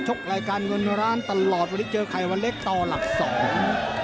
รายการเงินร้านตลอดวันนี้เจอไข่วันเล็กต่อหลักสอง